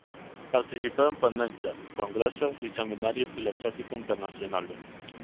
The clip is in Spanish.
Participó en ponencias, congresos y seminarios filosóficos internacionales.